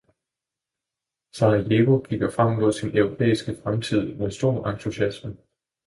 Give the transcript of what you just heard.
Sarajevo kigger frem mod sin europæiske fremtid med stor entusiasme.